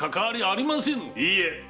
いいえ。